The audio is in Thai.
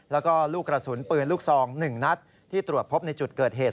แล้วก็ลูกกระสุนปืนลูกซอง๑นัดที่ตรวจพบในจุดเกิดเหตุ